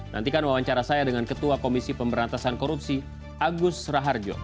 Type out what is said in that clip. nantikan wawancara saya dengan ketua komisi pemberantasan korupsi agus raharjo